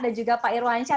dan juga pak irwan shah